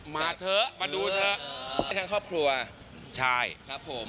มาเถอะมาดูเถอะให้ทั้งครอบครัวใช่ครับผม